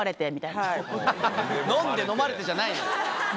「飲んで飲まれて」じゃないのよ。